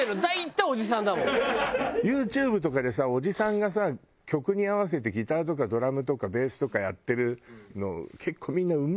ユーチューブとかでさおじさんがさ曲に合わせてギターとかドラムとかベースとかやってるの。